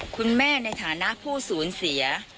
คุณแม่ในฐานะผู้ศูนย์เสีย